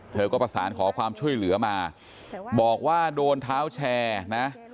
เธอก็ประสานขอความช่วยเหลือมาบอกว่าโดนเท้าแชร์นะ